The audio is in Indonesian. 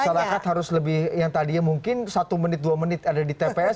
masyarakat harus lebih yang tadinya mungkin satu menit dua menit ada di tps